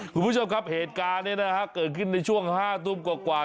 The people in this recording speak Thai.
คุณผู้ชมครับเหตุการณ์นี้นะครับเกิดขึ้นในช่วงห้าตุ้มกว่ากว่า